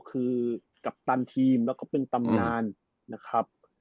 คือกัปตันทีมแล้วก็เป็นตำนานนะครับ